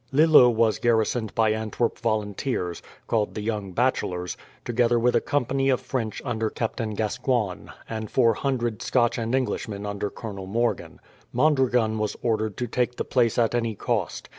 Lillo was garrisoned by Antwerp volunteers, called the Young Bachelors, together with a company of French under Captain Gascoigne, and 400 Scotch and Englishmen under Colonel Morgan. Mondragon was ordered to take the place at any cost.